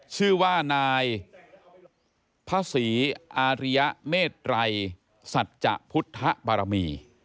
ชื่อว่านายพระศรีอาริยเมตรัยสัจจะพุทธบารมี